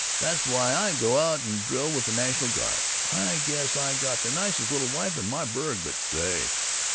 That's why I go out and drill with the National Guard. I guess I got the nicest little wife in my burg, but Say!